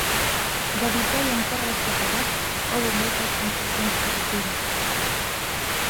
Da vitoria en terras catalás houbo moitas conclusións positivas.